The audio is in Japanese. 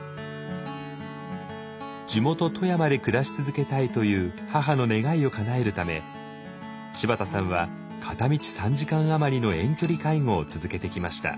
「地元富山で暮らし続けたい」という母の願いをかなえるため柴田さんは片道３時間余りの遠距離介護を続けてきました。